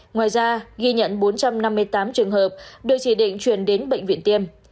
ngoài ra ghi nhận bốn trăm năm mươi tám trường hợp được chỉ định chuyển đến bệnh viện tiêm